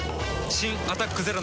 新「アタックＺＥＲＯ」